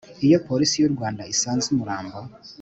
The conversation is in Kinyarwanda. Iyo Polisi y u Rwanda isanze umurambo